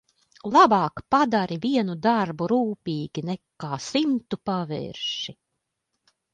Labāk padari vienu darbu rūpīgi nekā simtu pavirši.